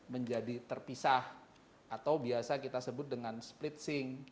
menjadi terpisah atau biasa kita sebut dengan splitsing